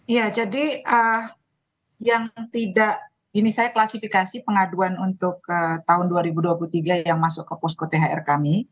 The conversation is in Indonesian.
iya jadi yang tidak ini saya klasifikasi pengaduan untuk tahun dua ribu dua puluh tiga yang masuk ke posko thr kami